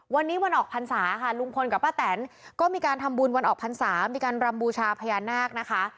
วันนี้วันออกพรรษาค่ะลุงพลกับป้าแตนก็มีการทำบุญวันออกพรรษามีการรำบูชาพญานาคนะคะ